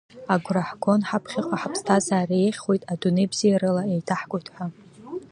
Агәра ҳгон ҳаԥхьаҟа ҳаԥсҭазаара еиӷьхоит, адунеи бзиарала еиҭаҳкуеит ҳәа.